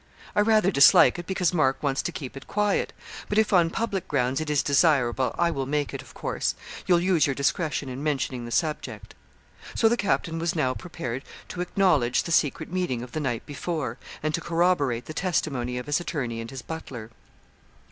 'I rather dislike it, because Mark wants to keep it quiet; but if, on public grounds, it is desirable, I will make it, of course. You'll use your discretion in mentioning the subject.' So the captain was now prepared to acknowledge the secret meeting of the night before, and to corroborate the testimony of his attorney and his butler.